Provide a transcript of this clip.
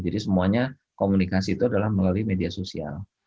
jadi semuanya komunikasi itu adalah melalui media sosial